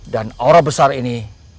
dan aura besar ini